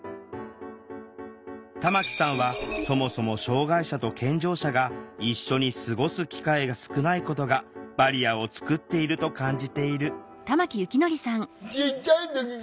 玉木さんはそもそも障害者と健常者が一緒に過ごす機会が少ないことがバリアを作っていると感じている